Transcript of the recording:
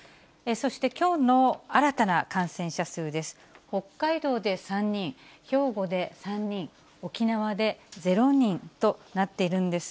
そしてきょうの新たな感染者数です。